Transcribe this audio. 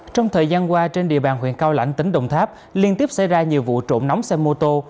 trong thời gian qua trên địa bàn huyện cao lãnh tỉnh đồng tháp liên tiếp xảy ra nhiều vụ trộm nóng xe mô tô